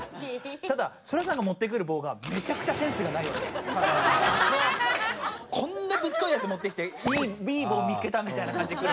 ただソラさんがもってくる棒がこんなぶっといやつもってきていい棒見つけたみたいな感じで来るわけ。